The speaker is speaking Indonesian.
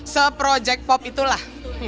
se proyek pop itulah